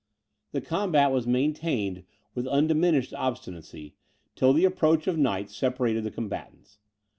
The combat was maintained with undiminished obstinacy, till the approach of night separated the combatants.